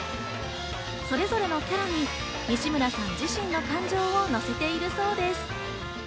それぞれのキャラに、にしむらさん自身の感情をのせているそうです。